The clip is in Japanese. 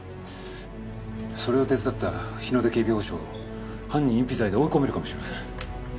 それを手伝った日ノ出警備保障を犯人隠避罪で追い込めるかもしれません。